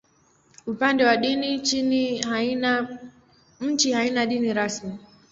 Upande wa dini, nchi haina dini rasmi.